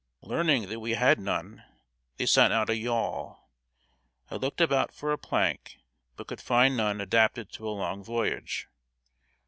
Learning that we had none, they sent out a yawl. I looked about for a plank, but could find none adapted to a long voyage.